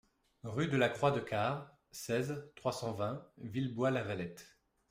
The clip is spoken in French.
Rue de la Croix de Quart, seize, trois cent vingt Villebois-Lavalette